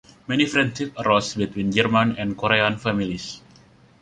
Many friendships arose between German and Korean families.